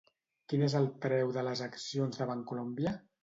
Quin és el preu de les accions de Bancolombia?